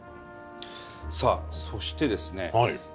さあそしてですね